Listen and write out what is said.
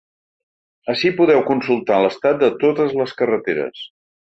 Ací podeu consultar l’estat de totes les carreteres.